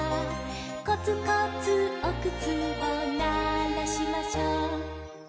「コツコツお靴をならしましょう」